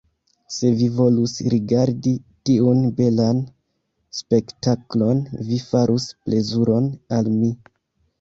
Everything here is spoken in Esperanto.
Se vi volus rigardi tiun belan spektaklon, vi farus plezuron al mi.